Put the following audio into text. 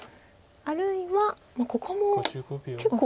あるいはここも結構。